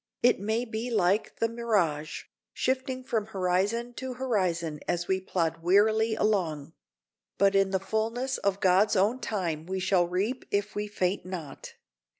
It may be like the mirage, shifting from horizon to horizon as we plod wearily along; but in the fullness of God's own time we shall reap if we faint not.